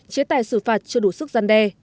chế tài xử phạt chưa đủ sức gian đe